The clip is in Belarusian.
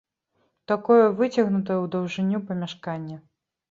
Такое выцягнутае ў даўжыню памяшканне.